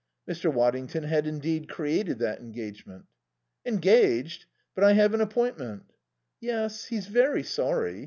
Mr. Waddington had, indeed, created that engagement. "Engaged? But I have an appointment." "Yes. He's very sorry.